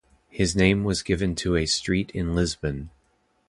His name was given to a street in Lisbon.